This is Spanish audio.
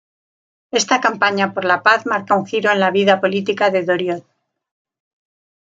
Esta campaña por la paz marca un giro en la vida política de Doriot.